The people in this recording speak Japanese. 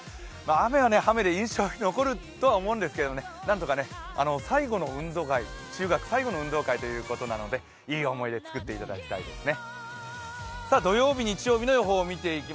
雨は雨で印象に残るとは思うんですけど、なんとか中学最後の運動会ということなのでいい思い出、作っていただきたいですね。